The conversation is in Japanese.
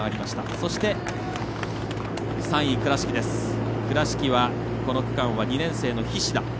そして、３位、倉敷はこの区間は２年生の菱田。